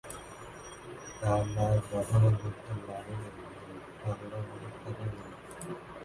তার মা তখনও বুঝতে পারেননি যে ঘটনাগুলি ঘটেছিল।